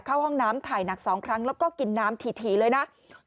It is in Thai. เข้าห้องน้ำถ่ายหนัก๒ครั้งแล้วก็กินน้ำถี่เลยนะ